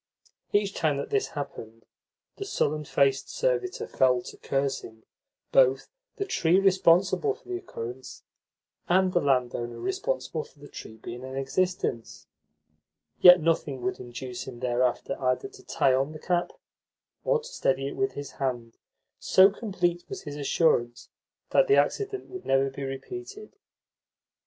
Each time that this happened, the sullen faced servitor fell to cursing both the tree responsible for the occurrence and the landowner responsible for the tree being in existence; yet nothing would induce him thereafter either to tie on the cap or to steady it with his hand, so complete was his assurance that the accident would never be repeated.